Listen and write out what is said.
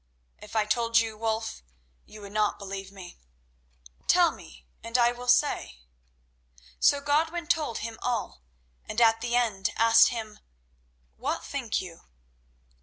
"If I told you, Wulf, you would not believe." "Tell me, and I will say." So Godwin told him all, and at the end asked him, "What think you?"